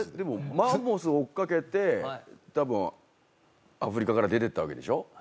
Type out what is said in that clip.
マンモス追っかけて多分アフリカから出てったわけでしょ？